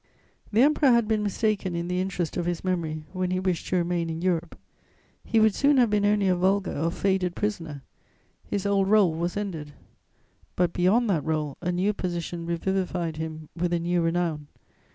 The Emperor had been mistaken in the interest of his memory, when he wished to remain in Europe; he would soon have been only a vulgar or faded prisoner: his old rôle was ended. But, beyond that rôle, a new position revivified him with a new renown.